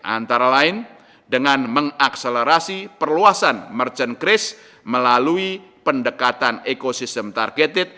antara lain dengan mengakselerasi perluasan merchant cris melalui pendekatan ekosistem targeted